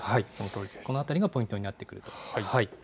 このあたりがポイントになってくると。